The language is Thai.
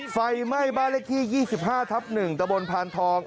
ไฟไหม้บ้านเลขที่๒๕ทับ๑ตะบนพานทอง